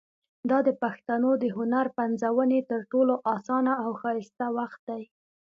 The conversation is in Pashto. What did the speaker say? دا د پښتنو د هنر پنځونې تر ټولو اسانه او ښایسته وخت دی.